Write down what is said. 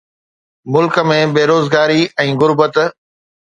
ملڪ ۾ بيروزگاري ۽ غربت